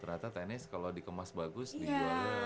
ternyata tennis kalau dikemas bagus nih ya